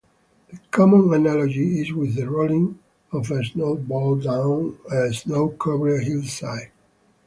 The common analogy is with the rolling of a snowball down a snow-covered hillside.